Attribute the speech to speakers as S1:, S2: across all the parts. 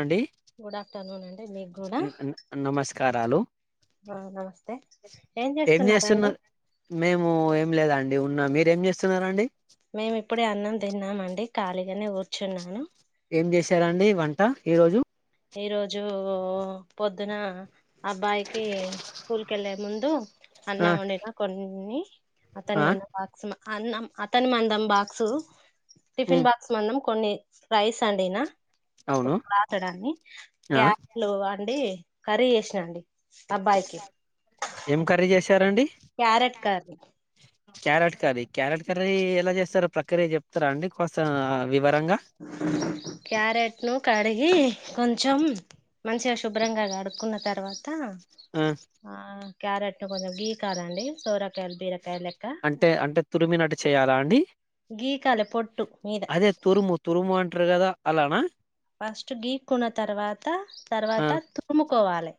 S1: అండి
S2: good afternoon అండి మీకు కూడా
S1: నమస్కారాలు
S2: ఆ, నమస్తే
S1: ఏం చేస్తున్న మేము ఏం లేదాండ్ ఏ ఉన్నా మీరేం చేస్తున్నారండి
S2: మేము ర్చున్నాను
S1: ఏం చేశారండి వంట ఈ రోజు
S2: ఈరోజు పొద్దున అబ్బాయికి స్కూల్కి ఎల్లేముందు అన్న
S1: ఆ
S2: మొండిన కొన్ని అతను
S1: ఆ
S2: మన బక్స్ అన్నం అతను మందం బాక్సు టిఫిన్
S1: ఉమ్
S2: బాక్స్ మనం కొన్ని రైస్ వండిన ఒక
S1: అవును
S2: గ్లాసడన్ని
S1: ఆ
S2: ట్యాప్లో వా అండి కర్రీ చేసిన అండి అబ్బాయికి
S1: ఏం కర్రీ చేసారండి
S2: carrot curry
S1: carrot curry carrot curry ఎలా చేస్తారు ప్రక్రియ చెప్తారా అండి కొస
S2: క్యారెట్ ను కడిగి కొంచెం మంచిగా శుభ్రంగా గడుక్కున్న తర్వా త
S1: ఆ
S2: ఆ క్యారెట్ ను కొంచెం బీ కారండి సొర
S1: అంటే అంటే తురుమినట్టు చేయాలా అండి
S2: గీకాలి పొట్టు మీద
S1: అదే తురుము తురుము అంటారు కదా అలానా
S2: ఫస్ట్ గీక్కున్న తర్వాత
S1: ఆ
S2: తర్వాత తుముకోవాలి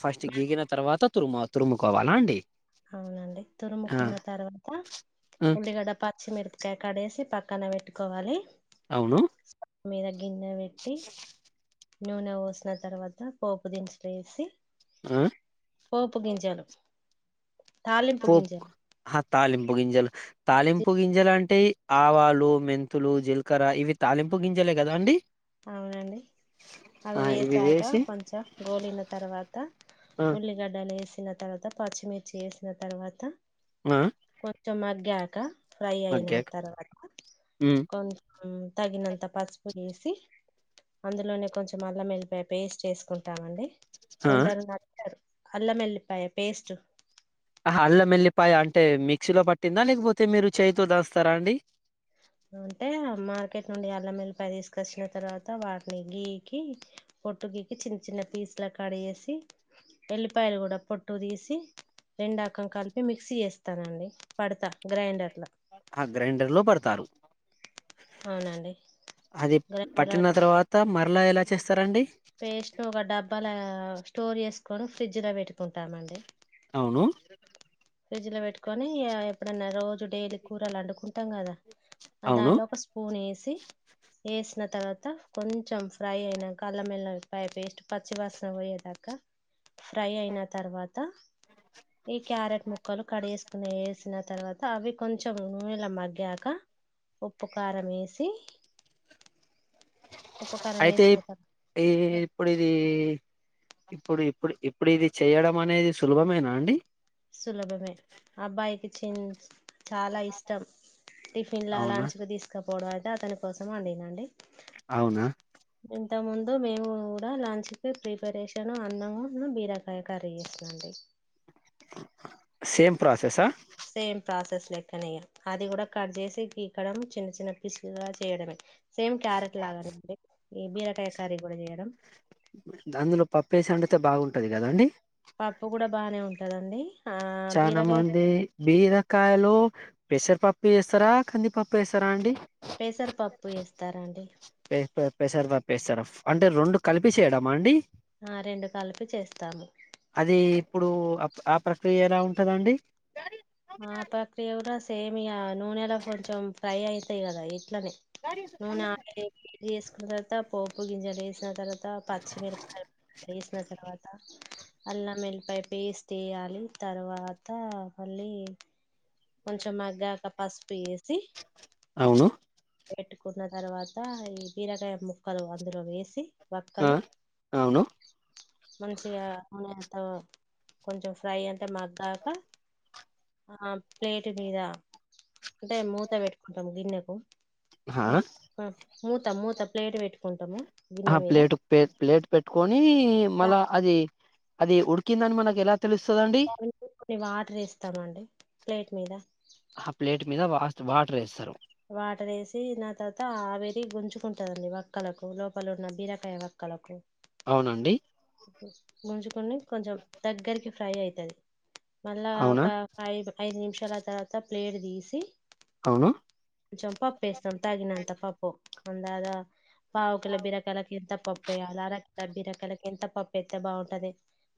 S1: ఫస్ట్ గీగిన తర్వాత తురుము తురుముకోవాలా అండి
S2: అవునండి
S1: ఆ
S2: తురుముక్కున్న తర్వాత
S1: ఆ
S2: ఉల్లిగడ్డ పచ్చిమిరపకాయ కడేసి పక్కన పెట్టుకోవాలి
S1: అవును
S2: మీర గిన్న వెట్టి నూనె పోసిన తర్వాత పోపు దినుసులు వేసి
S1: ఆ
S2: పోపు గంచాలు
S1: పో తాలింపుగింజలు తాలింపుుగింజ అల్ అంటే ఆవాలు మెంతులు జీలకర్ర ఇవి తాలింపు గింజలు కదా అండి
S2: అవునండి అవి
S1: ఆ ఇవి
S2: వేసాక
S1: వేసి
S2: కొంచెం గోలిన తర్వాత
S1: ఆ
S2: ఉల్లిగడ్డలు వేసి వీనా తర్వాత పచ్చిమిర్చి వేసిన తర్వాత
S1: ఆ
S2: చమకగాక ఫ్రై అయిన
S1: మగ్గాక
S2: తర్వాత
S1: ఉమ్
S2: కొం తగినంత పాచ పుడి వేసి అందులోనే కొంచెం అల్లం మల్లిపాయ పేస్ట్ చేసుకుంటామండి
S1: ఆ
S2: కొందరు నాచాధు అల్ల మెల్లిపాయ పేస్ట్
S1: ఆ అల్ల మల్లిపాయ అంటే మిక్సీలో పట్టిందా లేకపోతే మీరు చెయిథో దాస్తారా అండి
S2: అంటే మార్కెట్ నుండి అల్లం వెల్లిపాయ తీసుకొచ్చిన తర్వాత వాటిని గీకి పొట్టు గీకి చిన్న చిన్న పీస్ ల కడి చేసి ఎల్లిపాయలు కూడా పొట్టు తీసి రెండు అకం కలిపి మిక్సీ చేస్తానండి పడతా గ్రైండర్ లో
S1: ఆ గ్రైండర్ లో పడతారు
S2: అవునండి
S1: అది
S2: గ్రైండర్లో
S1: పట్టిన తర్వాత మరలా ఇలా చేస్తారంండి
S2: పేస్ట్ ను ఒక డబ్బల స్టోర్ చేసుకొని ఫ్రిడ్జ్ లో పెట్టుకుంటామండి
S1: అవును
S2: ఫ్రిడ్జ్ లో పెట్టుకొని ఎప్పుడన్నా రోజు డైలీ కూరలు అండుకుంటు టామ్ కదా
S1: అవును
S2: దానిలో ఒక స్పూన్ ఏస్ సే వేసిన తరువాత కొంచెం ఫ్రై అయినంక అల్లం ఎల్లపాయ్ పేస్ట్ పచ్చి వాసన పోయేదాకా ఫ్రై అయిన తరువాత ఇ క్యారెట్ ము ముక్కలు కట్ జేసుకుని వేసిన తర్వాత అవి కొంచెం నూనె ల మగ్గాక ఉప్పు కారం వేసి ఉప్పు కారం
S1: అయితే
S2: వేసిన తర్వాత
S1: ఈ ఇప్పుడు ఇది ఇప్పుడు ఇప్పుడు ఇప్పుడు ఇది చెయ్యడం అనేది సులభమేనా అండి
S2: సులభమే అబ్బాయికి చిన్ చాలా ఇష్టం టిఫిన్ లా
S1: అవునా
S2: లంచ్ కు తీసుక గొడవ అయితే అతని కోసం వండినండి
S1: అవునా
S2: ఇంత ముందు మేము కూడా లంచ్ కి ప్రిపరేషన్ అన్నమున్ను బీరకాయ కర్రీ చేసిన అండి
S1: సేమ్ ప్రాసెస్ ఆ
S2: సేమ్ ప్రాసెస్ లెక్కనే అది కూడా కట్ చేసి గీకడం చిన్న చిన్న పీస్ లు గా చేయడమే సేమ్ క్యారెట్ లాగాఅండి ఈ బీరకాయ కర్రీ కూడా చేయడం
S1: అందులో పప్పేసి వండితే బాగుంటది కదండీ
S2: పప్పు కూడా బానే ఉంటదండి ఆ
S1: చానా
S2: బీరకాయ
S1: మంది బీరకాయ లో పెసర పప్ వేస్తారా కందిీపప్పు వేస్తారా అండి
S2: పెసర పప్పు వేస్తారండి
S1: పెసర పప్పు వేస్తార అంటే రెండు కలిపి చేయడమా అండి
S2: ఆ రెండు కలిపి చేస్తాము
S1: అది ఇప్పుడు ఆ ప్ర క్రియ ఎలా ఉంటదండి
S2: ఆ ప్రక్రియ కూడా సేమ్ ఇగ నూనెలా కొంచెం ఫ్రై అయితాయి కదా అట్లనే నూనె వేడి చేస్ తర్వాత పోపు గింజలు వేసిన తర్వాత పచ్చి మిరపకాయలు వేసిన తర్వాత అల్లం ఏల్లిపాయ పేస్ట్ వేయాలి తర్వాత మళ్ళీ కొంచెం మగ్గాక పసుపు ఏస్
S1: అవును
S2: పెట్టుకున్న తర్వాత ఈ బీరకాయ ముక్కలు అందులో వేసి
S1: ఆ
S2: వక్కలు
S1: అవును
S2: మంచిగా నూనేంత కొంచెం ఫ్రై అంత మగ్గాక ఆ ప్లేట్ మీద అంటే మూత పెట్టుకుంటాం గిన్నెకు
S1: హా
S2: ఆ, మూత మూత ప్లేట్ పెట్టుకుంటాము
S1: ఆ
S2: గిన్నె మీద
S1: ప్లేట్ పే ప్లేట్ పెట్టుకొనీ మల్లా ఆది అది ఉడికిందని మనకెల
S2: కొన్ని వాటర్ ఎస్తమ్ అండి ప్లేట్ మీద
S1: ఆ ప్లేట్ మీద వా వాటర్ ఏస్తరు
S2: వాటర్ ఏసి దాని తర్వాత ఆవిరి గుంజుకుంటదండి వక్కలకు లోపలున్న బీరకాయ వక్కలకు
S1: అవునండి
S2: గుంజుకుని కొంచెం దగ్గరికి ఫ్రై అయితది మళ్ళా
S1: అవునా
S2: ఒక ఐద్ ఐదు నిమిషలు ల తర్వాత ప్లేట్ తీసి
S1: అవును
S2: చొప్ప పేస్ట్ తగినంత కప్పు అందాద పావు కిల బీరకాయలకి ఎంత పప్పేయాల ర సజీర కలిపి ఎంత పప్పెత్తే బాగుంటది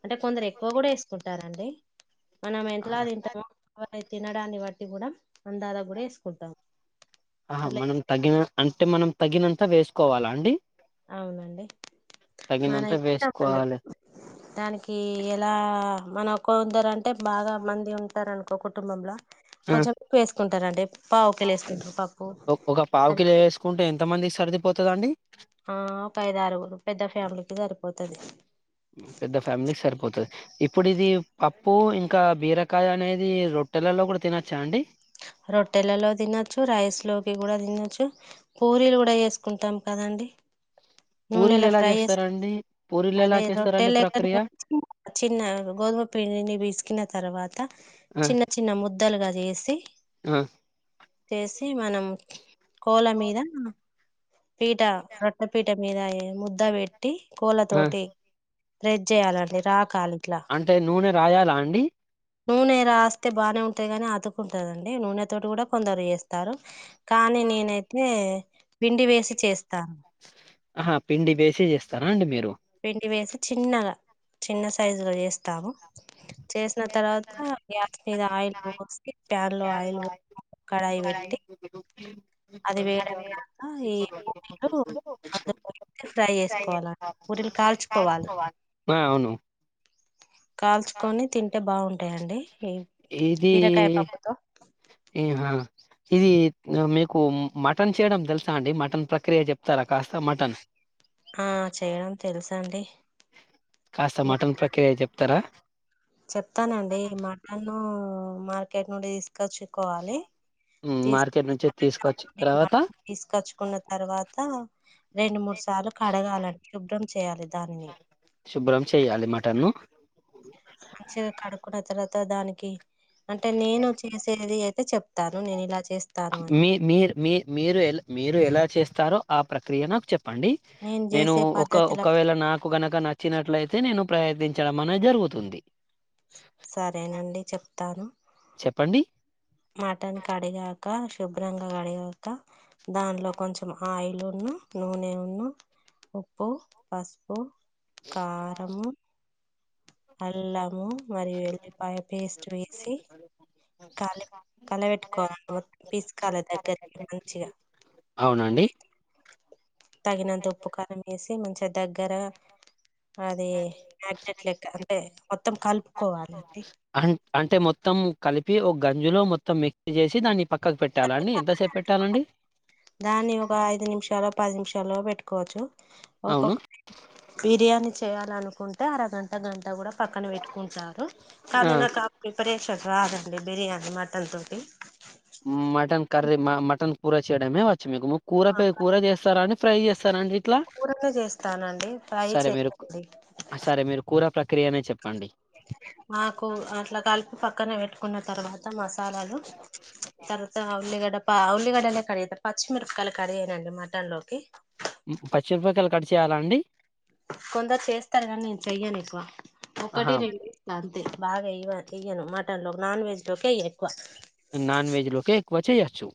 S2: అంటే కొందరు ఎక్కువ కూడా ఏసుకుంటారండి మనం ఎంతలా తింటామో అయి తినడాన్ని బట్టి గుడా
S1: ఆ
S2: అట్లా
S1: మనం
S2: వేస్-
S1: తగిన అంటే మనం తగినంత వేసుకోవాలా అండి
S2: అవునండి మన
S1: తగినంత
S2: ఇష్టమండి
S1: వేసుకోవాలి
S2: దానికి ఎలా మన ఒక్క ఉదర అంటే బాగా మంది ఉంటారనుకో కుటుంబంల కొంచెం ఎక్కువ వేసుకుంటానండి పావు కిలో వేసుకుంటా పప్పు అది
S1: సరిపోతాదండి
S2: ఆ ఒక ఐదారుగురు పెద్ద ఫ్యామిలీకి సరిపోతది
S1: పెద్ద ఫ్యామిలీక్ సరిపోతది ఇప్పుడు ఇది పప్పు ఇంకా బీరకాయ అనేది రొట్టెలలో గుడా తినచ్చా అండి
S2: రొట్టెలలో తినొచ్చు రైస్ లోకి కూడా తినొచ్చు పూరీలు కూడా ఏసుకుంటాం కదండి నూనెల
S1: పూరీలు ఎలా
S2: ఫ్రై చేస్
S1: చేస్తారండి పూరీలు ఎలా
S2: అదే రొట్టె
S1: చేస్తారండి ప్రక్రియ
S2: చిన్న గోధుమ పిండిని బిస్ కిన తర్వాత
S1: ఆ
S2: చిన్న చిన్న ముద్ద ద్దలుగా చేసి
S1: ఆ
S2: చేసి మనం కోల మీద పీఠ రొట్ట పీఠ మీద య ముద్ద పేట్ టి కోళ్ళ
S1: ఆ
S2: తోటి రెజ చేయాలండి రాకాల ఇట్లా
S1: రాయాల అండి
S2: నూనె రాస్తే బాగానే ఉంటది గాని అతుకుంటుందండి నూనె తోటి కూడా కొందరు చేస్తారు కానీ నేనైతే
S1: పిండి
S2: వేసి
S1: వేస్
S2: చేస్తాను
S1: చేస్తా ఆహా పిండి వేసి చేస్తారా అండి మీరు
S2: పిండి వేసి చిన్నగా చిన్న సైజు లో చేస్తాము చేసిన తర్వాత గ్యాస్ మీద ఆయిల్ పోసి ప్యాన్ లో ఆయిల్ పో కడాయి పెట్టి అది వేయడప్పుడ ఈ పూనీలు అందు వే ఫ్రై చేసుకోవాల ఊరిలు కాల్చుకోవాలి
S1: మే అవును
S2: కాల్చుకొని తిం అంటే బాగుంటాయండి ఈ బీరకాయ పప్పుతో
S1: హా ఇది మీకు మటన్ చేయడం తెలుసా అండి మటన్ ప్రక్రియ చెప్తారా కాస్త మటన్
S2: ఆ చేయడం తెలుస అండి
S1: కాస్త మటన్ ప్రక్రియ చెప్పు తర
S2: చెప్తానండి మటను మార్కెట్ నుండి ఇస్ తీసుకొచ్చుకోవాలి తీ
S1: మార్కెట్ నుంచి తీసుకొచ్చిన తర్వాత
S2: తీసుకొచ్చుకున్న తర్వాత రెండు మూడు సార్లు కడగాలం శుభ్రం చేయాలి దానిని
S1: శుభ్రం చేయాలి మటన్ను
S2: మంచిగా కడుక్కున్న తర్వాత దానికి అంటే నేను చేసేది అయితే చెప్తాను నేను ఇలా చేస్త
S1: మీ మీరు మీ మీరు ఎ మీరు ఎలా చేస్తారో ఆ ప్రక్రియ నాకు చెప్ప చెప్పండి నేను
S2: చేసే
S1: ఒక
S2: పద్ధతిల
S1: ఒకవేళ నాకు కనుక నచ్చినట్లయితే నేను ప్రయత్ని చ్చడం అనేది జరుగుతుంది
S2: సరేనండి చెప్తాను
S1: చెప్పండి
S2: మాటన్ కడిగాక శుభ్రంగా కడిగాక దానిలో కొంచెం ఆయిల్ ఉన్న నూనె ఉన్న ఉప్పు పసుపు కారము అల్లము మరియు ఎల్లిపాయ పేస్ట్ వేసి కాలి కలబెట్టుకోవాలండి మొత్తం పిసుకాలి దగ్గరికి మంచిగా
S1: అవునండి
S2: తగినంత ఉప్పు కారం వేసి మంచిది దగ్గర అది మ్యాగ్నెట్ లెక్క అంటే మొత్తం కలుపుకోవాలి అండి
S1: అం అంటే మొత్తం కలిపి ఒక గంజులో మొత్తం మిక్స్ చేసి దాన్ని పక్కకు పెట్టాలా
S2: దాన్ని
S1: అండి
S2: పక్కన
S1: ఎంతసేపు పెట్టాలండి
S2: పెట్టుకోవాలి దాన్ని ఒక ఐదు నిమిషాలు పది నిమిషాలు పెట్టుకోవచ్చు
S1: అవును
S2: ఒక్కొక్క బిర్యానీ చేయాలను కుంటే అరగంట గంట కూడా పక్కన పెట్టుకుంటారు
S1: ఆ
S2: కానీ నాకు ఆహ్ ప్రిపరేషన్ రాదండి బిర్యానీ మటన్ తోటి
S1: మటన్ కర్రీ మా మటన్ కూర చేయడమే మీకు కూర కూర చేస్తార అండి ఫ్రై చేస్తానండి
S2: కూరనే చేస్తానండి ఫ్రై
S1: సరే మీరు
S2: చేయండి
S1: సరే మీరు కూరా ప్ర ప్రక్రియనే చెప్పండి
S2: మాకు అట్లా కలిపి పక్క పక్కన పెట్టుకున్న తర్వాత మసాలాలు తర్వాత ఆహ్ ఉల్లిగడ్డ ఉల్లిగడ్డలేే కర్రీ అయితే పచ్చిమిరపకాయ కర్రీ అయినండి మటన్ లోకి
S1: పచ్చిమిరూపాయకాలులా కర్ట్చ చేయాలా అండి
S2: కొందరు చేస్తారు కానీ నేను చేయను వా
S1: ఆహా
S2: ఒకటి రెండు ఇస్త అంతే బాగా ఇవ ఇయ్వను మటన్లో నాన్ వెజ్లోకే ఎక్కువ
S1: నోన్ వెజ్ లోకే ఎక్కువచ్చేయచ్చు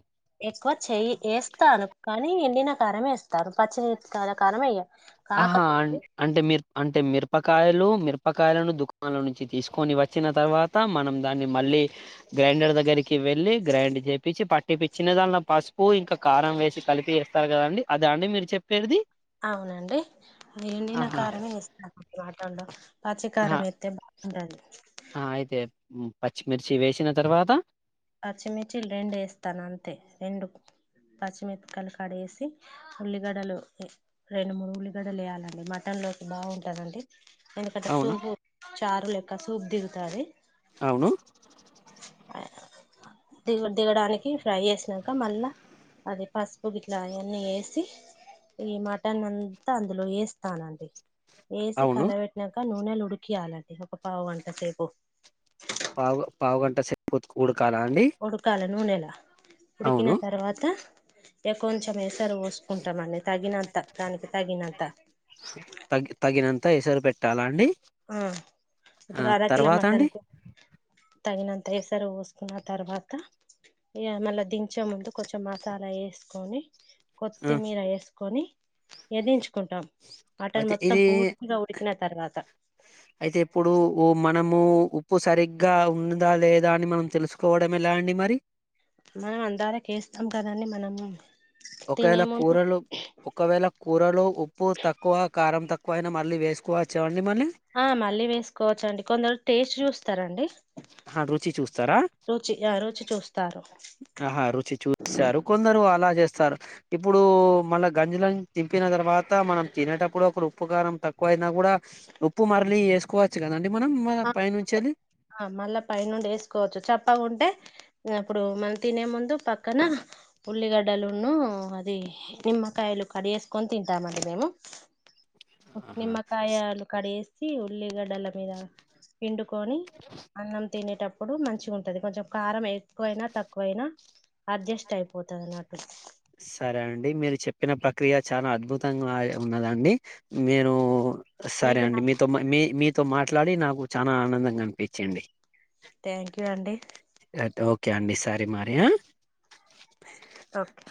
S2: ఎక్కువ చెయి యిస్తారు కానీ అని ఎండిన కరమే ఏస్తారు పచ్చిని కరమేయ్య
S1: ఆహా ఆహ్ అంటే మీరు అంటే మిరపకాయలు మిరపకాయలను దుకానం నుంచి తీసుకొని వచ్చిన తర్వాత మనం దాన్ని మళ్ళీ గ్రైండర్ దగ్గరికి వెళ్ళి గ్రైండ్ చేపించి పట్టిపచ్చిన దానిలో పసుపు ఇంకా కారం వేసి కలిపి వస్తారు కదండి అద అండి మీరు చెప్పేది
S2: అవునండి ఎండిన
S1: ఆహా
S2: కారమే ఇస్తా మాటండ
S1: ఆహా
S2: పచికారాం ఎతే బాగుండది
S1: ఆ, అయితే ఉమ్, పచ్చిమిర్చి వేసిన తర్వాత
S2: పచ్చిమిర్చి రెండు వేస్తాను అంతే రెండు పచ్చిమిరపకాయలు కడిగి వేసి ఉల్లిగడలు రెండు మూడు ఉల్లిగడలు వేయాలండి మటన్ లోకి బాగుంటదండి ఇందుకంటే
S1: అవును
S2: సుభు చారు లెక్క సూప్ దిగుతది
S1: అవును
S2: దిగు దిగడానికి ఫ్రై చేసినాక మళ్ళా అది పసుపు ఇట్లా అవన్నీ వేసి ఈ మటన్ అంతా అందులో వేస్తానండి ఏసి
S1: అవును
S2: కల వెట్టినాక ను నూనెలుడికి యాలండి ఒక పావు గంట చేపు
S1: పావు పావు గంట సేపో ఉడకూ
S2: ఉడకాల నూనె రా ఉడికిన
S1: అవును
S2: తర్వాత ఇక కొంచెం ఎసరు పోసుకుంటామండి తగినంత దానికి తగినంత
S1: త ఎసరు పెట్టాలా అండి
S2: ఆ
S1: ఆ
S2: ఇప్పుడు అర కిలో
S1: తర్వాత
S2: మటన్
S1: అండి
S2: కు తగినంత ఏసరు పోసుకున్న తర్వాత ఈ మళ్ళ దించే ముందు కొంచెం మసాలా వేసుకొని
S1: ఆ
S2: కొత్తిమీర ఏసు కొని ఎదించు కుంటాం మటన్
S1: అయితే
S2: మొత్తం
S1: ఇది
S2: పూర్తిగా ఉడికిన తర్వాత
S1: అయితే ఇప్పుడు ఓ మనము ఉప్పు సరిగ్గా ఉందా లేదా అని మనం తెలుసుకోవడం ఎలా అండి మరి
S2: మనం అందార కేస్తాం కదండి మనము
S1: ఒకఏళ కూరలు ఒకవేళ కూరలు ఉప్పు తక్కువ కారం తక్కు ఎక్కువైనా మళ్లీ వేసుకోవచ్చు అని
S2: ఆ మళ్ళీ వేసుకోవచ్చ అండి కొందరు టేస్ట్ చూస్త తెరండి
S1: ఆహా, రుచి చూస్తారా
S2: రుచి ఆ రుచి చూస్తారు
S1: ఆహా రుచి చూశారు కొందరు అలా చేస్తారు ఇప్పుడు మళ్ళ గంజిలోంచి తింపిన తర్వాత మనం తినేటప్పుడు ఒకరు ఉప్పు కారం తక్కువ అయినా కూడా ఉప్పు మరళి వేసుకోవచ్చు కదండి మనం మన పైనుంచి వెళ్ళి
S2: ఆ మళ్ళా పై నుండి వేసుకోవచ్చు చెప్పగుంటే అప్పుడు మల్ల తినే ముందు పక్కన ఉల్లిగడ్డలును అది నిమ్మకాయలు కడిగేసుకొని తింటామండి మేము
S1: ఆహా,
S2: నిమ్మకాయలు కడిగే సో తి ఉల్లిగడ్డల మీద పిండుకొని అన్నం తినేటప్పుడు మంచిగొంటది కొంచెం కారం ఎక్కువైనా తక్కువైనా అడ్జస్ట్ అయిపోతున్న
S1: సరే అం అది మీరు చెప్పిన ప్రక్రియ చాలా అద్భుతంగా ఉన్నదండి నేనూ సరే
S2: మీకు నా
S1: అండి మీతో మీ మీతో మాట ఇట్లా అని నాకు చానా ఆనందంగా అనిపించింది
S2: థ్యాంక్ యు అండి
S1: కె అండి సారి మార్య
S2: ఓకే